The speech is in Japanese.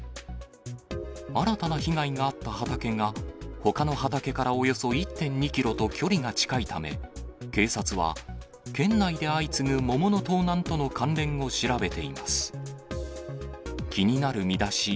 新たな被害があった畑が、ほかの畑からおよそ１．２キロと距離が近いため、警察は、県内で相次ぐ桃の盗難との関連を調べています。